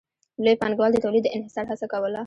لوی پانګوال د تولید د انحصار هڅه کوله